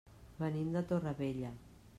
Venim de Torrevella.